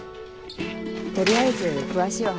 取りあえず詳しいお話